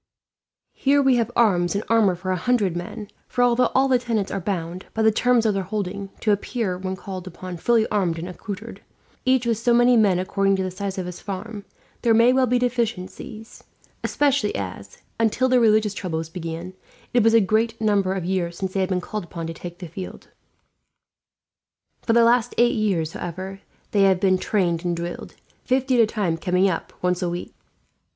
Here we have arms and armour for a hundred men, for although all the tenants are bound, by the terms of their holding, to appear when called upon fully armed and accoutred, each with so many men according to the size of his farm, there may well be deficiencies; especially as, until the religious troubles began, it was a great number of years since they had been called upon to take the field. For the last eight years, however, they have been trained and drilled; fifty at a time coming up, once a week.